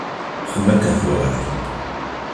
Xdem akken tebɣiḍ.